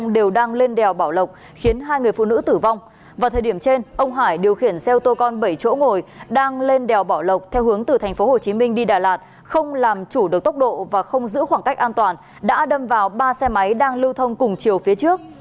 đào sơn hải điều khiển xe ô tô con bảy chỗ ngồi đang lên đèo bảo lộc theo hướng từ tp hcm đi đà lạt không làm chủ được tốc độ và không giữ khoảng cách an toàn đã đâm vào ba xe máy đang lưu thông cùng chiều phía trước